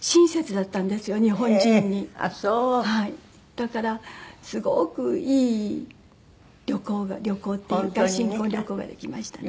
だからすごくいい旅行が旅行っていうか新婚旅行ができましたね。